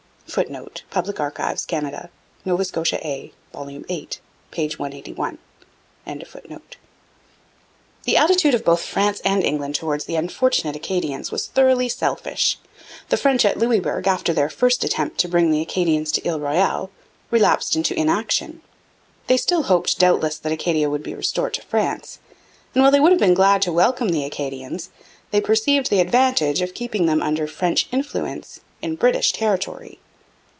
[Footnote: Public Archives, Canada. Nova Scotia A, vol. viii, p. 181 et seq.] The attitude of both France and England towards the unfortunate Acadians was thoroughly selfish. The French at Louisbourg, after their first attempt to bring the Acadians to Ile Royale, relapsed into inaction. They still hoped doubtless that Acadia would be restored to France, and while they would have been glad to welcome the Acadians, they perceived the advantage of keeping them under French influence in British territory.